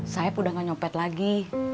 saya udah gak nyopet lagi